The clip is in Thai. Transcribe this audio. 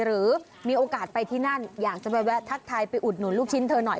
หรือมีโอกาสไปที่นั่นอยากจะไปแวะทักทายไปอุดหนุนลูกชิ้นเธอหน่อย